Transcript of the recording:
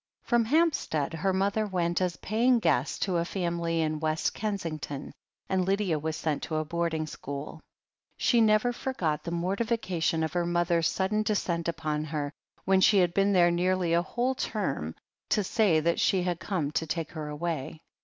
From Hampstead, her mother went as paying guest to a family in West Kensington and Lydia was sent to a boarding school. She never forgot the mortification of her mother's sudden descent upon her, when she had been there nearly a whole term, to say that she had come to take her away.